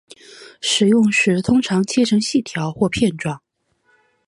食用时通常切成细条或片状。